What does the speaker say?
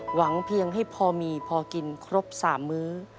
หวังเพียงให้พอมีพอกินครบ๓มื้อ